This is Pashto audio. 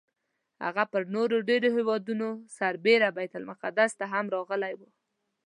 هغه پر نورو ډېرو هېوادونو سربېره بیت المقدس ته هم راغلی و.